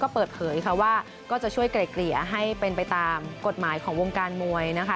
เปิดเผยค่ะว่าก็จะช่วยไกล่เกลี่ยให้เป็นไปตามกฎหมายของวงการมวยนะคะ